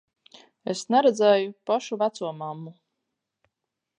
Es neredzēju pašu vecomammu.